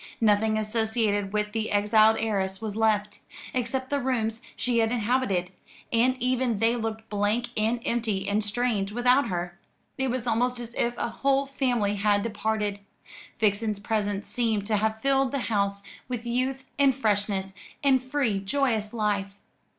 Nothing associated with the exiled heiress was left, except the rooms she had inhabited; and even they looked blank and empty and strange without her. It was almost as if a whole family had departed. Vixen's presence seemed to have filled the house with youth and freshness, and free joyous life.